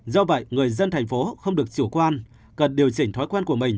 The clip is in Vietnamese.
do vậy người dân thành phố không được chủ quan cần điều chỉnh thói quen của mình